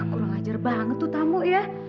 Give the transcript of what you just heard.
kurang ajar banget tuh tamu ya